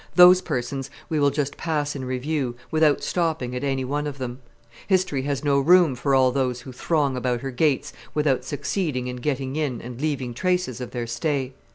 Those persons we will just pass in review without stopping at any one of them. History has no room for all those who throng about her gates without succeeding in getting in and leaving traces of their stay.